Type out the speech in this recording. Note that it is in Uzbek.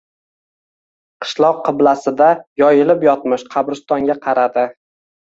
Qishloq qiblasida yoyilib yotmish qabristonga qaradi.